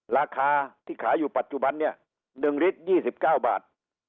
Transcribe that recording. ราคาที่ขายอยู่ปัจจุบันเนี่ยหนึ่งลิตรยี่สิบเก้าบาท